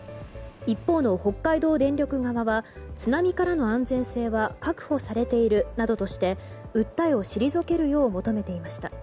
一方の北海道電力側は津波からの安全性は確保されているなどとして訴えを退けるよう求めていました。